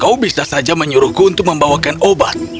kau bisa saja menyuruhku untuk membawakan obat